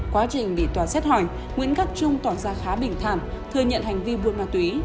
quá trình bị tòa xét hỏi nguyễn khắc trung tỏ ra khá bình thảm thừa nhận hành vi buôn ma túy